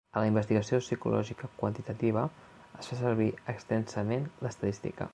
A la investigació psicològica quantitativa es fa servir extensament l'estadística.